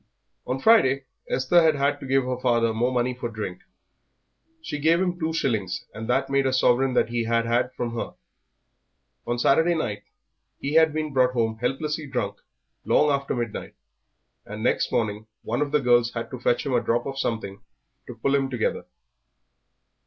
On Friday Esther had had to give her father more money for drink. She gave him two shillings, and that made a sovereign that he had had from her. On Saturday night he had been brought home helplessly drunk long after midnight, and next morning one of the girls had to fetch him a drop of something to pull him together.